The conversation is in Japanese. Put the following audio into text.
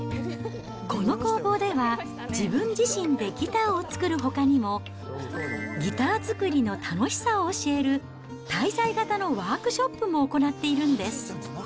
この工房では、自分自身でギターを作るほかにも、ギター作りの楽しさを教える滞在型のワークショップも行っているんです。